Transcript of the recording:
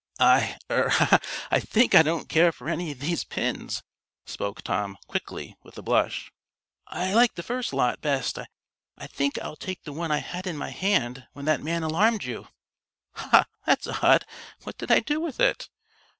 "I er I think I don't care for any of these pins," spoke Tom, quickly, with a blush. "I like the first lot best. I think I'll take the one I had in my hand when that man alarmed you. Ha! That's odd! What did I do with it?"